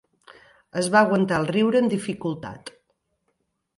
Es va aguantar el riure amb dificultat.